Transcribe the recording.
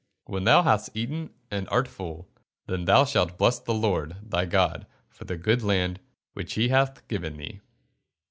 [Verse: "When thou hast eaten and art full, then thou shalt bless the Lord thy God for the good land which he hath given thee."